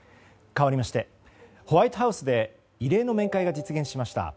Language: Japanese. かわりましてホワイトハウスで異例の面会が実現しました。